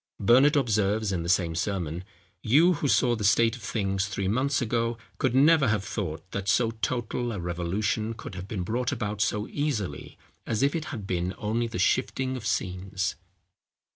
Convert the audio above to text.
Burnet observes in the same sermon, "You who saw the state of things three months ago, could never have thought that so total a revolution could have been brought about so easily as if it had been only the shifting of scenes.